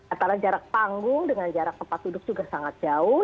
antara jarak panggung dengan jarak tempat duduk juga sangat jauh